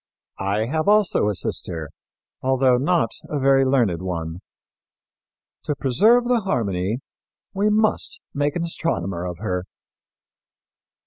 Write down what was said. I have also a sister, although not a very learned one. To preserve the harmony, we must make an astronomer of her."